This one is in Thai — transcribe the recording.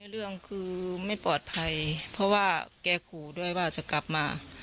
เรื่องคือไม่ปลอดภัยเพราะว่าแกขู่ด้วยว่าจะกลับมา